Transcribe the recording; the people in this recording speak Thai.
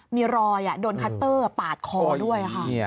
มีรอยโดนคัตเตอร์ปาดคอด้วยค่ะ